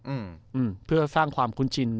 อืมอืมเพื่อสร้างความคุ้นชิน